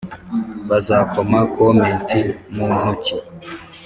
bazakoma comet mu ntoki?